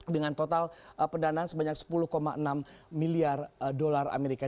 dengan total pendanaan sebanyak sepuluh enam miliar dolar amerika